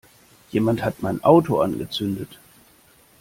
Jemand hat mein Auto angezündet!